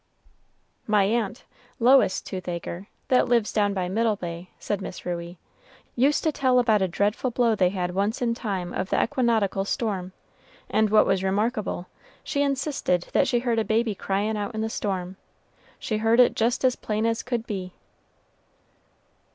"My aunt, Lois Toothacre, that lives down by Middle Bay," said Miss Ruey, "used to tell about a dreadful blow they had once in time of the equinoctial storm; and what was remarkable, she insisted that she heard a baby cryin' out in the storm, she heard it just as plain as could be."